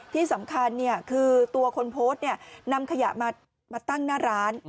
ที่สำคัญคือตัวคนโพสต์นำขยะมาตั้งหน้าร้าน